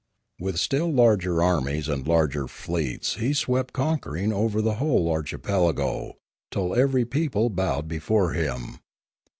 With still larger armies and larger fleets he swept conquering over the whole archipelago, till every people bowed before him.